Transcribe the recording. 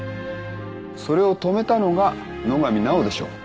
それを止めたのが野上奈緒でしょう。